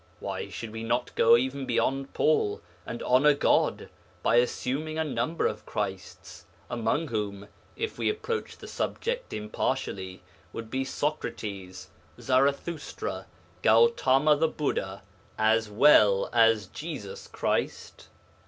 Why should we not go even beyond Paul, and honour God by assuming a number of Christs, among whom if we approach the subject impartially would be Socrates, Zarathustra, Gautama the Buddha, as well as Jesus the Christ?